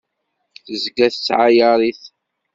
Tezga tettɛayaṛ-it.